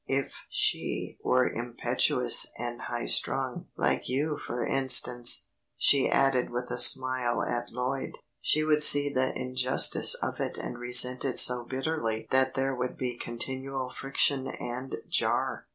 If she were impetuous and highstrung like you for instance," she added with a smile at Lloyd, "she would see the injustice of it and resent it so bitterly that there would be continual friction and jar.